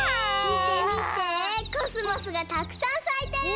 みてみてコスモスがたくさんさいてる！